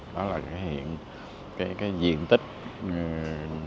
đó là hiện diện tích đất đai của các hợp tác xã còn hạn chế quy mô sản xuất nhỏ lẻ